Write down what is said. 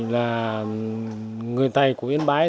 là người tài của yến bái